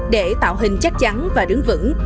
để tạo hình chắc chắn và đứng vững